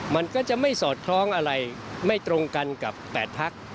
มันก็จะไม่สอดคล้องอะไรไม่ตรงกันกับ๘พัก